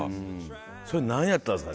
それ何やったんすか？